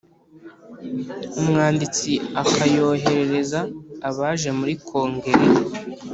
Umwanditsi akayoherereza abaje muri Kongere